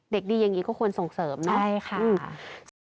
เด็กดีอย่างนี้ก็ควรส่งเสริมเนาะ